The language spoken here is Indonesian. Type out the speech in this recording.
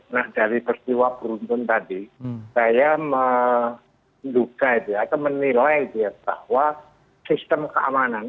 nah dari perciwa peruntun tadi saya menduga atau menilai bahwa sistem keamanan